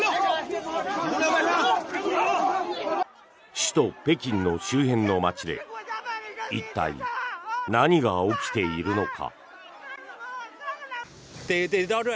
首都・北京の周辺の街で一体、何が起きているのか。